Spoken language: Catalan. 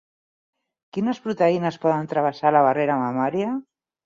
Quines proteïnes poden travessar la barrera mamària?